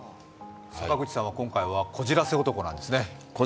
坂口さんは今回はこじらせ男なんですね。